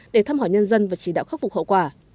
để thăm hỏi nhân dân và chỉ đạo khắc phục hậu quả